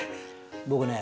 僕ね